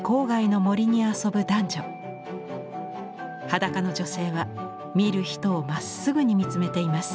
裸の女性は見る人をまっすぐに見つめています。